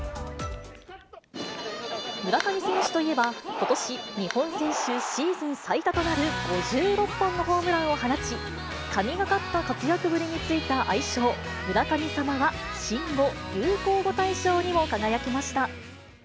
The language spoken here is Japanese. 村上選手といえば、ことし日本選手シーズン最多となる５６本のホームランを放ち、神がかった活躍ぶりについた愛称、村神様は新語・流行語大賞にも輝きました。